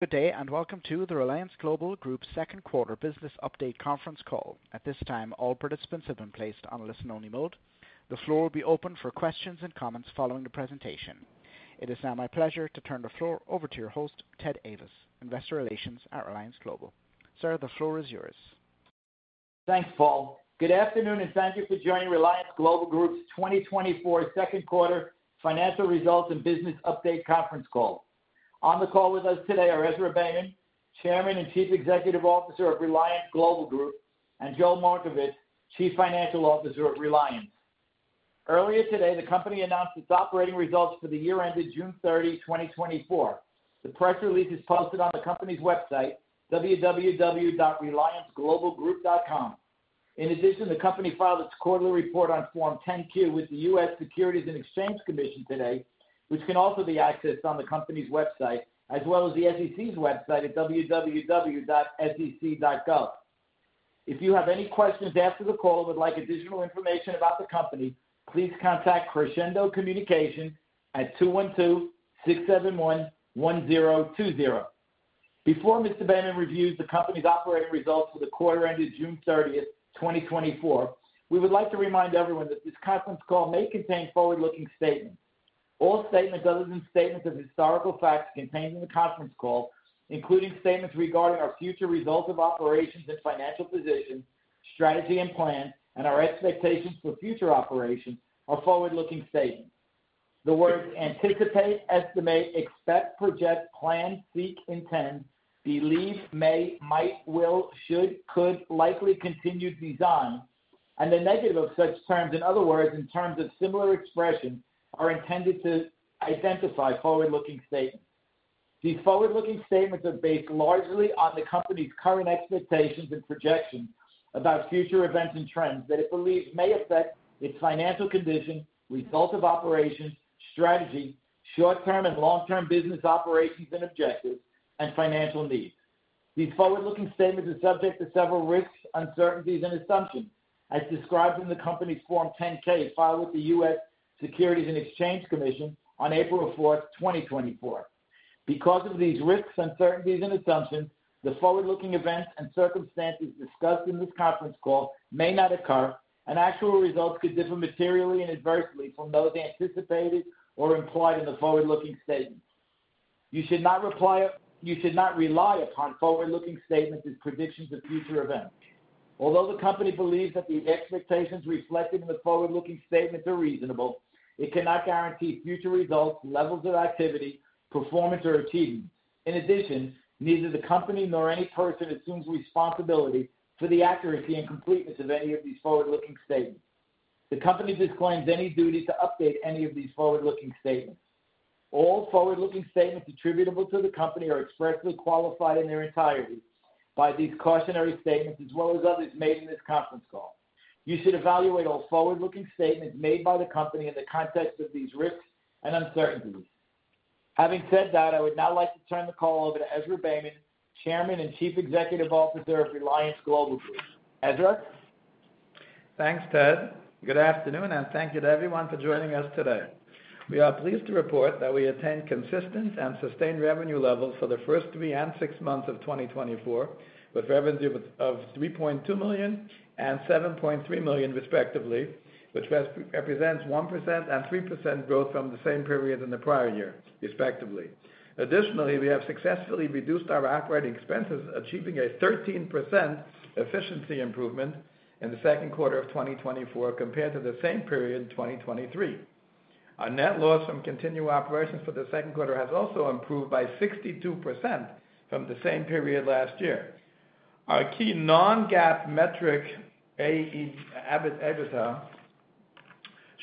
Good day, and welcome to the Reliance Global Group's second quarter business update conference call. At this time, all participants have been placed on a listen-only mode. The floor will be open for questions and comments following the presentation. It is now my pleasure to turn the floor over to your host, Ted Ayvas, Investor Relations at Reliance Global Group. Sir, the floor is yours. Thanks, Paul. Good afternoon, and thank you for joining Reliance Global Group's 2024 second quarter financial results and business update conference call. On the call with us today are Ezra Beyman, Chairman and Chief Executive Officer of Reliance Global Group, and Joel Markovits, Chief Financial Officer of Reliance. Earlier today, the company announced its operating results for the year ended June 30, 2024. The press release is posted on the company's website, www.relianceglobalgroup.com. In addition, the company filed its quarterly report on Form 10-Q with the U.S. Securities and Exchange Commission today, which can also be accessed on the company's website, as well as the SEC's website at www.sec.gov. If you have any questions after the call and would like additional information about the company, please contact Crescendo Communications at 212-671-1020. Before Mr. Beyman reviews the company's operating results for the quarter ended June 30, 2024. We would like to remind everyone that this conference call may contain forward-looking statements. All statements other than statements of historical facts contained in the conference call, including statements regarding our future results of operations and financial position, strategy and plan, and our expectations for future operations, are forward-looking statements. The words anticipate, estimate, expect, project, plan, seek, intend, believe, may, might, will, should, could, likely, continue, design, and the negative of such terms, in other words, in terms of similar expression, are intended to identify forward-looking statements. These forward-looking statements are based largely on the company's current expectations and projections about future events and trends that it believes may affect its financial condition, results of operations, strategy, short-term and long-term business operations and objectives, and financial needs. These forward-looking statements are subject to several risks, uncertainties, and assumptions, as described in the company's Form 10-K filed with the U.S. Securities and Exchange Commission on April 4, 2024. Because of these risks, uncertainties, and assumptions, the forward-looking events and circumstances discussed in this conference call may not occur, and actual results could differ materially and adversely from those anticipated or implied in the forward-looking statements. You should not rely upon forward-looking statements as predictions of future events. Although the company believes that these expectations reflected in the forward-looking statements are reasonable, it cannot guarantee future results, levels of activity, performance, or achievement. In addition, neither the company nor any person assumes responsibility for the accuracy and completeness of any of these forward-looking statements. The company disclaims any duty to update any of these forward-looking statements. All forward-looking statements attributable to the company are expressly qualified in their entirety by these cautionary statements, as well as others made in this conference call. You should evaluate all forward-looking statements made by the company in the context of these risks and uncertainties. Having said that, I would now like to turn the call over to Ezra Beyman, Chairman and Chief Executive Officer of Reliance Global Group. Ezra? Thanks, Ted. Good afternoon, and thank you to everyone for joining us today. We are pleased to report that we attained consistent and sustained revenue levels for the first three and six months of 2024, with revenues of $3.2 million and $7.3 million, respectively, which represents 1% and 3% growth from the same period in the prior year, respectively. Additionally, we have successfully reduced our operating expenses, achieving a 13% efficiency improvement in the second quarter of 2024 compared to the same period in 2023. Our net loss from continuing operations for the second quarter has also improved by 62% from the same period last year. Our key non-GAAP metric, EBITDA,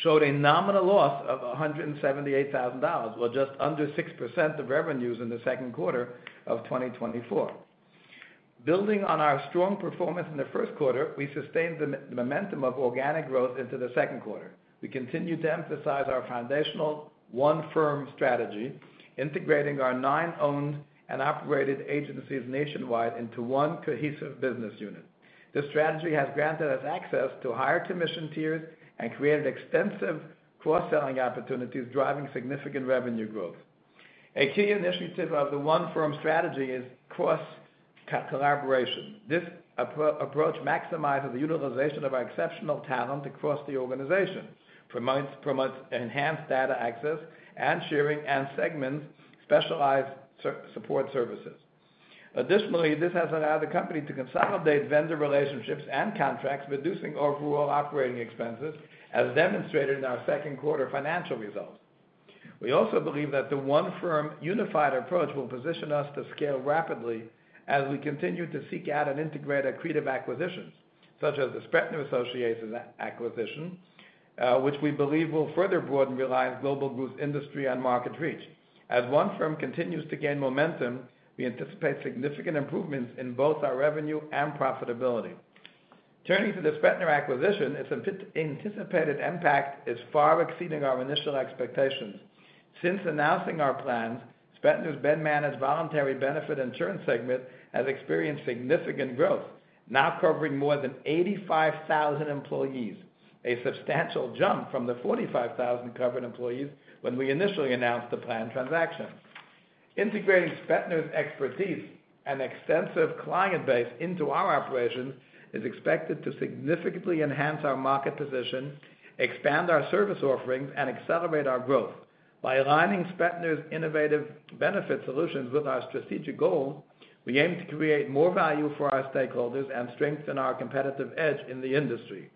showed a nominal loss of $178,000, or just under 6% of revenues in the second quarter of 2024. Building on our strong performance in the first quarter, we sustained the momentum of organic growth into the second quarter. We continue to emphasize our foundational, OneFirm strategy, integrating our nine owned and operated agencies nationwide into one cohesive business unit. This strategy has granted us access to higher commission tiers and created extensive cross-selling opportunities, driving significant revenue growth. A key initiative of the OneFirm strategy is cross-collaboration. This approach maximizes the utilization of our exceptional talent across the organization, promotes enhanced data access, and sharing and segment specialized support services. Additionally, this has allowed the company to consolidate vendor relationships and contracts, reducing overall operating expenses, as demonstrated in our second quarter financial results. We also believe that the OneFirm unified approach will position us to scale rapidly as we continue to seek out and integrate accretive acquisitions, such as the Spetner Associates acquisition, which we believe will further broaden Reliance Global Group's industry and market reach. As OneFirm continues to gain momentum, we anticipate significant improvements in both our revenue and profitability. Turning to the Spetner acquisition, its anticipated impact is far exceeding our initial expectations. Since announcing our plans, Spetner's BenManage voluntary benefit insurance segment has experienced significant growth, now covering more than 85,000 employees, a substantial jump from the 45,000 covered employees when we initially announced the planned transaction. Integrating Spetner's expertise and extensive client base into our operations is expected to significantly enhance our market position, expand our service offerings, and accelerate our growth. By aligning Spetner's innovative benefit solutions with our strategic goals, we aim to create more value for our stakeholders and strengthen our competitive edge in the industry.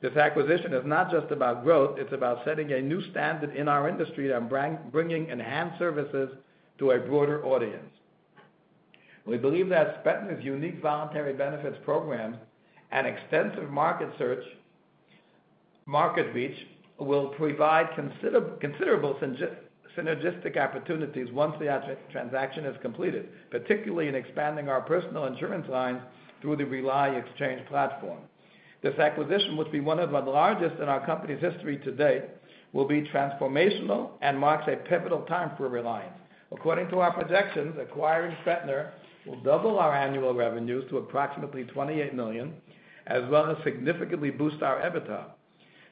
This acquisition is not just about growth. It's about setting a new standard in our industry and bringing enhanced services to a broader audience. We believe that Spetner's unique voluntary benefits program and extensive market reach will provide considerable synergistic opportunities once the transaction is completed, particularly in expanding our personal insurance lines through the Reliance Exchange platform. This acquisition, which will be one of the largest in our company's history to date, will be transformational and marks a pivotal time for Reliance. According to our projections, acquiring Spetner will double our annual revenues to approximately $28 million, as well as significantly boost our EBITDA.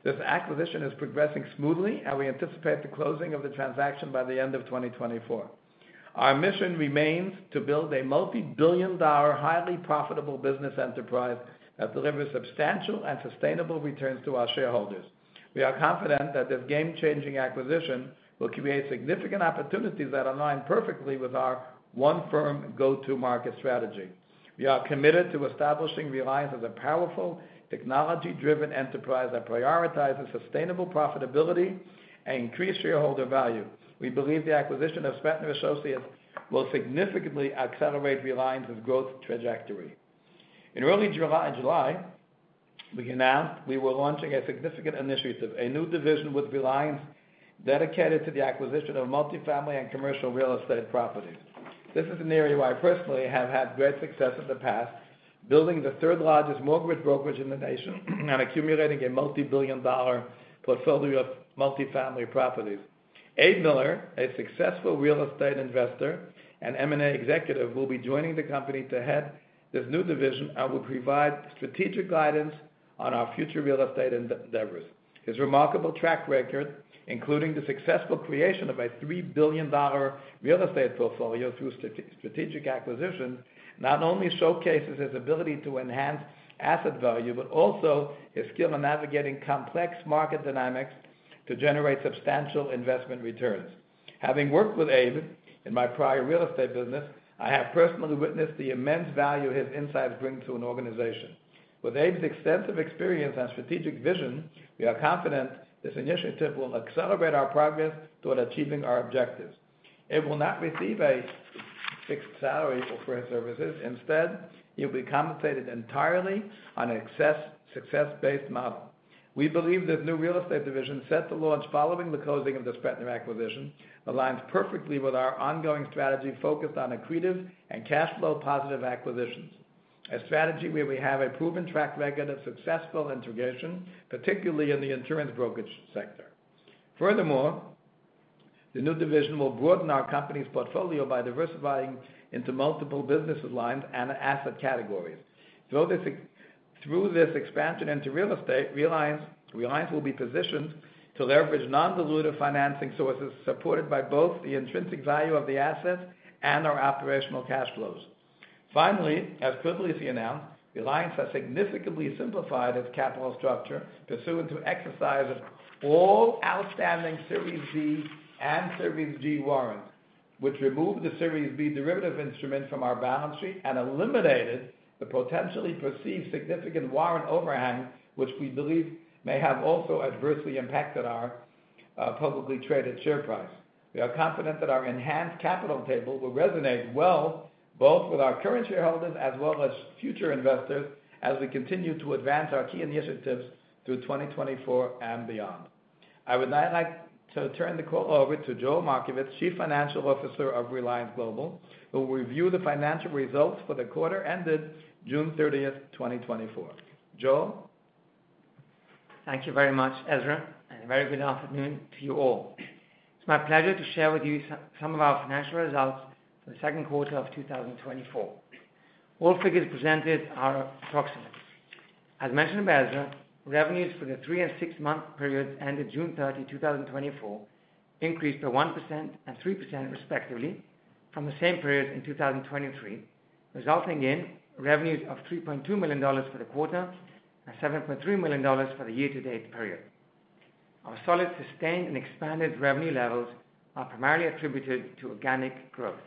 This acquisition is progressing smoothly, and we anticipate the closing of the transaction by the end of 2024. Our mission remains to build a multi-billion dollar, highly profitable business enterprise that delivers substantial and sustainable returns to our shareholders. We are confident that this game-changing acquisition will create significant opportunities that align perfectly with our OneFirm go-to-market strategy. We are committed to establishing Reliance as a powerful, technology-driven enterprise that prioritizes sustainable profitability and increased shareholder value. We believe the acquisition of Spetner Associates will significantly accelerate Reliance's growth trajectory. In early July, we announced we were launching a significant initiative, a new division with Reliance dedicated to the acquisition of multifamily and commercial real estate properties. This is an area where I personally have had great success in the past, building the third-largest mortgage brokerage in the nation and accumulating a multi-billion dollar portfolio of multifamily properties. Abe Miller, a successful real estate investor and M&A executive, will be joining the company to head this new division and will provide strategic guidance on our future real estate endeavors. His remarkable track record, including the successful creation of a $3 billion real estate portfolio through strategic acquisitions, not only showcases his ability to enhance asset value, but also his skill in navigating complex market dynamics to generate substantial investment returns. Having worked with Abe in my prior real estate business, I have personally witnessed the immense value his insights bring to an organization. With Abe's extensive experience and strategic vision, we are confident this initiative will accelerate our progress toward achieving our objectives. Abe will not receive a fixed salary for his services. Instead, he will be compensated entirely on an excess success-based model. We believe this new real estate division set to launch following the closing of the Spetner acquisition aligns perfectly with our ongoing strategy focused on accretive and cash flow positive acquisitions, a strategy where we have a proven track record of successful integration, particularly in the insurance brokerage sector. Furthermore, the new division will broaden our company's portfolio by diversifying into multiple business lines and asset categories. Through this expansion into real estate, Reliance will be positioned to leverage non-dilutive financing sources supported by both the intrinsic value of the assets and our operational cash flows. Finally, as quickly as he announced, Reliance has significantly simplified its capital structure, pursuant to exercise of all outstanding Series Z and Series G warrants, which removed the Series B derivative instrument from our balance sheet and eliminated the potentially perceived significant warrant overhang, which we believe may have also adversely impacted our publicly traded share price. We are confident that our enhanced capital table will resonate well both with our current shareholders as well as future investors as we continue to advance our key initiatives through 2024 and beyond. I would now like to turn the call over to Joel Markovits, Chief Financial Officer of Reliance Global, who will review the financial results for the quarter ended June 30, 2024. Joel? Thank you very much, Ezra, and very good afternoon to you all. It's my pleasure to share with you some of our financial results for the second quarter of 2024. All figures presented are approximate. As mentioned by Ezra, revenues for the three and six-month periods ended June 30, 2024, increased by 1% and 3%, respectively, from the same period in 2023, resulting in revenues of $3.2 million for the quarter and $7.3 million for the year-to-date period. Our solid, sustained, and expanded revenue levels are primarily attributed to organic growth.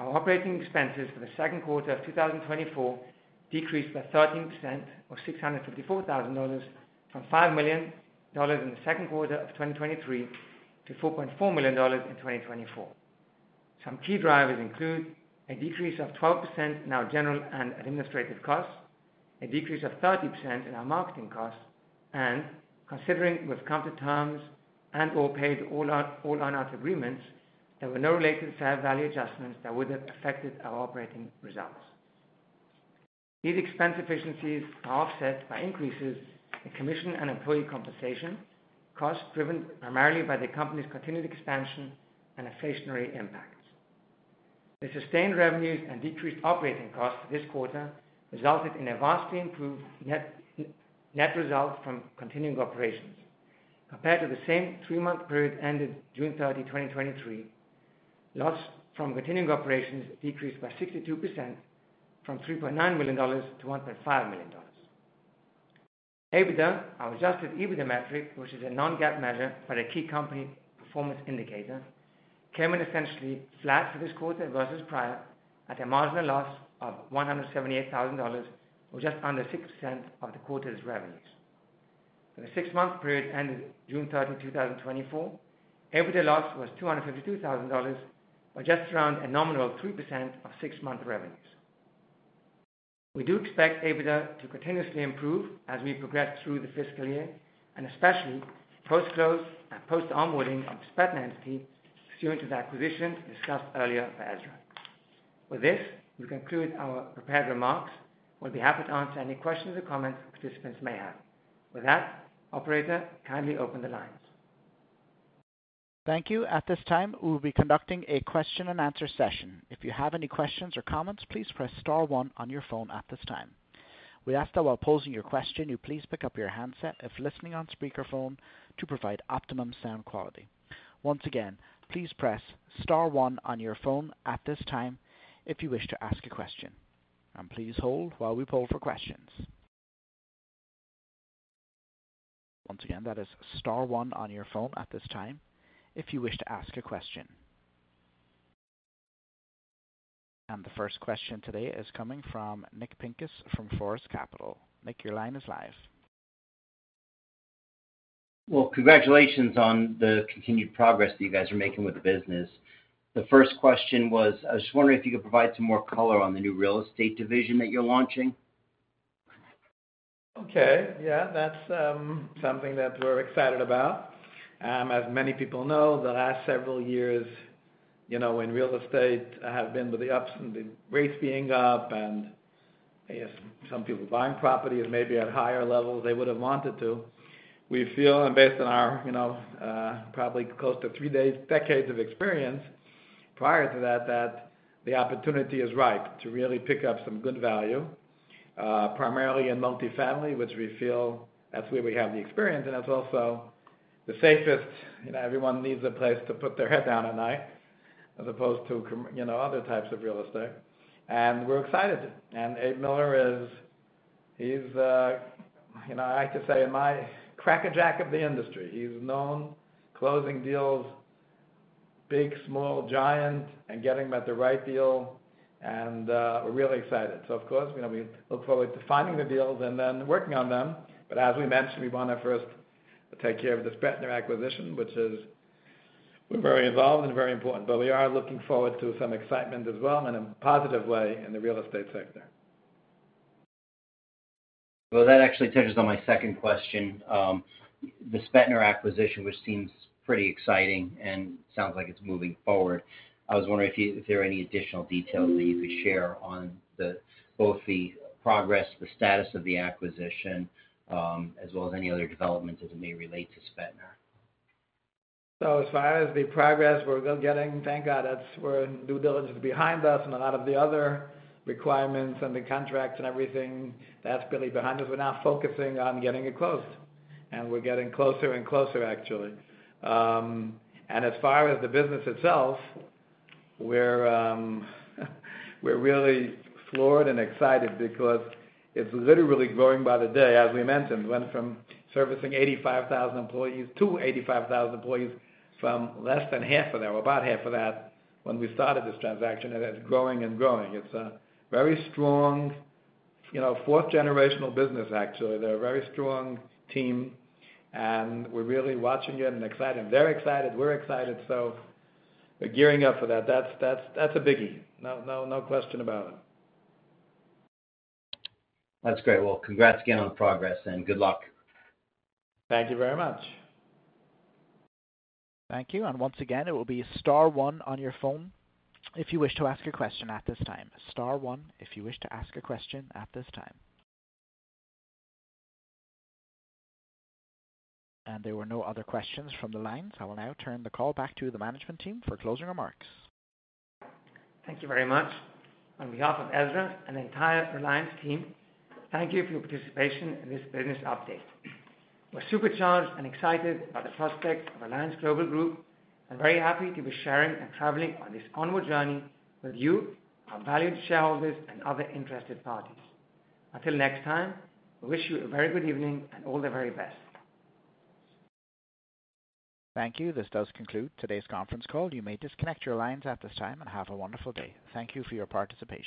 Our operating expenses for the second quarter of 2024 decreased by 13%, or $654,000, from $5 million in the second quarter of 2023 to $4.4 million in 2024. Some key drivers include a decrease of 12% in our general and administrative costs, a decrease of 30% in our marketing costs, and considering contingent consideration terms and/or earn-out agreements, there were no related fair value adjustments that would have affected our operating results. These expense efficiencies are offset by increases in commission and employee compensation costs driven primarily by the company's continued expansion and inflationary impacts. The sustained revenues and decreased operating costs this quarter resulted in a vastly improved net result from continuing operations. Compared to the same 3-month period ended June 30, 2023, loss from continuing operations decreased by 62%, from $3.9 million to $1.5 million. EBITDA, our adjusted EBITDA metric, which is a non-GAAP measure for a key company performance indicator, came in essentially flat for this quarter versus prior, at a marginal loss of $178,000, or just under 6% of the quarter's revenues. For the six-month period ended June 30, 2024, EBITDA loss was $252,000, or just around a nominal 3% of six-month revenues. We do expect EBITDA to continuously improve as we progress through the fiscal year, and especially post-close and post-onboarding of the Spetner entity, pursuant to the acquisition discussed earlier by Ezra. With this, we conclude our prepared remarks. We'll be happy to answer any questions or comments participants may have. With that, Operator, kindly open the lines. Thank you. At this time, we will be conducting a question-and-answer session. If you have any questions or comments, please press Star 1 on your phone at this time. We ask that while posing your question, you please pick up your handset if listening on speakerphone to provide optimum sound quality. Once again, please press Star 1 on your phone at this time if you wish to ask a question. Please hold while we poll for questions. Once again, that is Star 1 on your phone at this time if you wish to ask a question. The first question today is coming from Nick Pincus from Forest Capital. Nick, your line is live. Well, congratulations on the continued progress that you guys are making with the business. The first question was, I was just wondering if you could provide some more color on the new real estate division that you're launching. Okay. Yeah, that's something that we're excited about. As many people know, the last several years in real estate have been with the ups and the rates being up, and I guess some people buying properties maybe at higher levels they would have wanted to. We feel, and based on our probably close to three decades of experience prior to that, that the opportunity is ripe to really pick up some good value, primarily in multifamily, which we feel that's where we have the experience. It's also the safest. Everyone needs a place to put their head down at night, as opposed to other types of real estate. We're excited. Abe Miller, he's, I like to say, in my crackerjack of the industry. He's known closing deals, big, small, giant, and getting them at the right deal. We're really excited. So, of course, we look forward to finding the deals and then working on them. But as we mentioned, we want to first take care of the Spetner acquisition, which is very involved and very important. But we are looking forward to some excitement as well in a positive way in the real estate sector. Well, that actually touches on my second question. The Spetner acquisition, which seems pretty exciting and sounds like it's moving forward, I was wondering if there are any additional details that you could share on both the progress, the status of the acquisition, as well as any other developments as it may relate to Spetner. So, as far as the progress we're getting, thank God we're due diligence behind us, and a lot of the other requirements and the contracts and everything, that's really behind us. We're now focusing on getting it closed, and we're getting closer and closer, actually. And as far as the business itself, we're really floored and excited because it's literally growing by the day. As we mentioned, it went from servicing 85,000 employees to 85,000 employees from less than half of that, or about half of that when we started this transaction. And it's growing and growing. It's a very strong fourth-generational business, actually. They're a very strong team, and we're really watching it and excited. They're excited. We're excited. So we're gearing up for that. That's a biggie. No question about it. That's great. Well, congrats again on the progress, and good luck. Thank you very much. Thank you. Once again, it will be Star 1 on your phone if you wish to ask a question at this time. Star 1 if you wish to ask a question at this time. There were no other questions from the line. I will now turn the call back to the management team for closing remarks. Thank you very much. On behalf of Ezra and the entire Reliance team, thank you for your participation in this business update. We're super charged and excited about the prospect of Reliance Global Group and very happy to be sharing and traveling on this onward journey with you, our valued shareholders, and other interested parties. Until next time, we wish you a very good evening and all the very best. Thank you. This does conclude today's conference call. You may disconnect your lines at this time and have a wonderful day. Thank you for your participation.